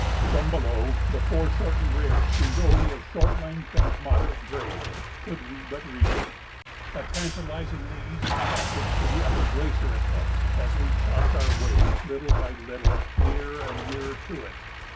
From below, the foreshortened ridge seemed only of short length and of moderate grade, could we but reach it a tantalizingly easy passage to the upper glacier it looked as we chopped our way, little by little, nearer and nearer to it.